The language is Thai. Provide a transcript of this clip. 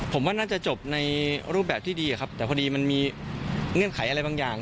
ผมว่าน่าจะจบในรูปแบบที่ดีครับแต่พอดีมันมีเงื่อนไขอะไรบางอย่าง